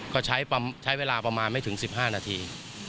ก็ใช้เวลาประมาณไม่ถึง๑๕นาที